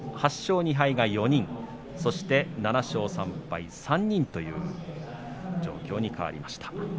２敗が４人、そして３敗が３人という状況に変わりました。